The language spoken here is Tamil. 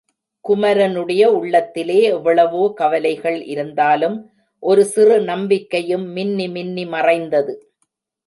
குமரனுடைய உள்ளத்திலே எவ்வளவோ கவலைகள் இருந்தாலும் ஒரு சிறு நம்பிக்கையும் மின்னி மின்னி மறைந்தது.